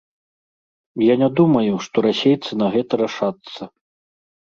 Я не думаю, што расейцы на гэта рашацца.